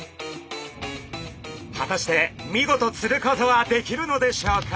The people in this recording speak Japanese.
果たして見事釣ることはできるのでしょうか？